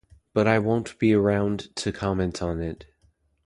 But I won't be around to comment on it.